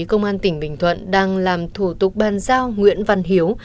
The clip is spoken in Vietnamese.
công an tỉnh bình thuận đang làm thủ tục bàn giao nguyễn văn hiếu